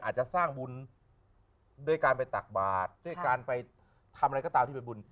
อาจจะสร้างบุญด้วยการไปตักบาทด้วยการไปทำอะไรก็ตามที่เป็นบุญ